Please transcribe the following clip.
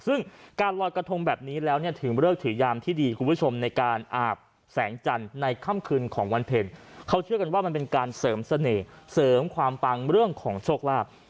ซึ่งการลอยกระทงแบบนี้แล้วเนี่ยถือเลิกถือยามที่ดีคุณผู้ชมในการอาบแสงจันทร์ในค่ำคืนของวันเพ็ญเขาเชื่อกันว่ามันเป็นการเสริมเสน่ห์เสริมความปังเรื่องของโชคลาภ